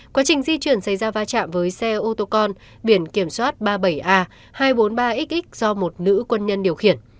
quá trình di chuyển xảy ra va chạm với xe ô tô con biển kiểm soát ba mươi bảy a hai trăm bốn mươi ba x do một nữ quân nhân điều khiển